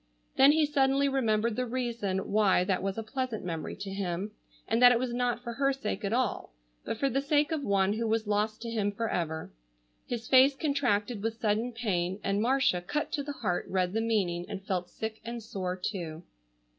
Then he suddenly remembered the reason why that was a pleasant memory to him, and that it was not for her sake at all, but for the sake of one who was lost to him forever. His face contracted with sudden pain, and Marcia, cut to the heart, read the meaning, and felt sick and sore too.